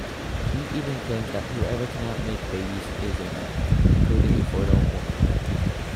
He even claims that whoever cannot make babies is a male, including infertile women.